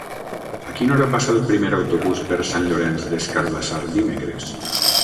A quina hora passa el primer autobús per Sant Llorenç des Cardassar dimecres?